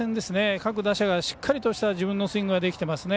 各打者がしっかりとした自分のスイングができてますね。